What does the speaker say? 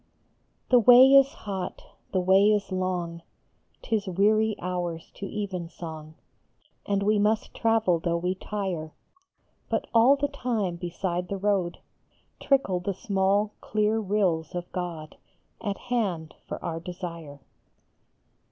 HE way is hot, the way is long, T is weary hours to even song, And we must travel though we tire ; But all the time beside the road Trickle the small, clear rills of God, At hand for our desire.